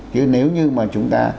chứ nếu như mà chúng ta